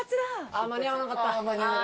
あ間に合わなかった。